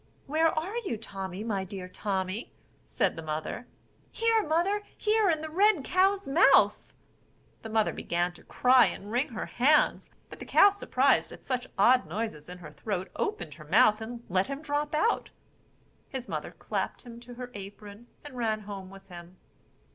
"Where are you, Tommy, my dear Tommy?" said the mother. "Here, mother, here in the red cow's mouth." The mother began to cry and wring her hands; but the cow surprised at such odd noises in her throat, opened her mouth and let him drop out. His mother clapped him into her apron, and ran home with him.